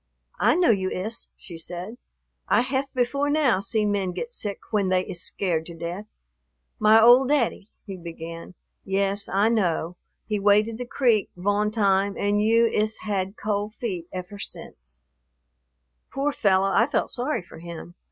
"I know you iss," she said, "I haf before now seen men get sick when they iss scared to death." "My old daddy " he began. "Yes, I know, he waded the creek vone time und you has had cold feet effer since." Poor fellow, I felt sorry for him.